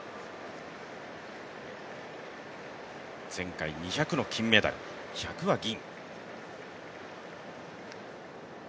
前回２００の金メダル、１００は銀。